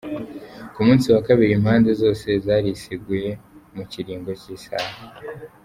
Ku munsi wa kabiri, impande zose zarisiguye mu kiringo c'isaha.